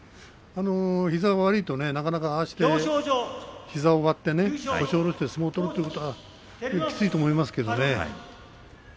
膝が悪いとなかなかああして膝を割って腰を下ろして相撲を取るというのがきついと思いますけれどもね。